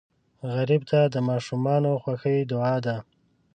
غریب ته د ماشومانو خوښي دعا ده